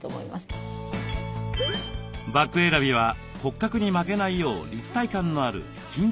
バッグ選びは骨格に負けないよう立体感のある巾着などが得意です。